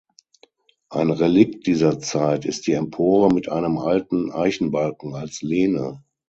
Ein Relikt dieser Zeit ist die Empore mit einem alten Eichenbalken als Lehne.